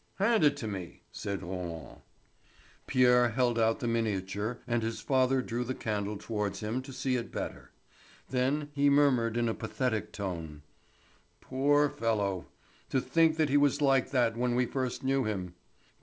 "Hand it on to me," said Roland. Pierre held out the miniature and his father drew the candle towards him to see it better; then, he murmured in a pathetic tone: "Poor fellow! To think that he was like that when we first knew him!